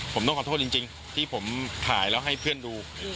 ผมต้องขอโทษจริงที่ผมถ่ายแล้วให้เพื่อนดู